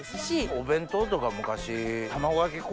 お弁当とか昔。